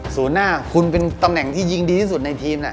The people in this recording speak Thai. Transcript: ศูนย์หน้าคุณเป็นตำแหน่งที่ยิงดีที่สุดในทีม